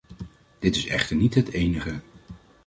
Dit is echter niet het enige.